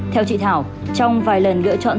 theo chị thảo trong vài lần lựa chọn